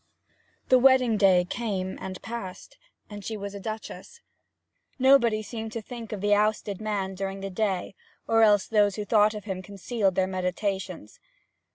The wedding day came and passed; and she was a Duchess. Nobody seemed to think of the ousted man during the day, or else those who thought of him concealed their meditations.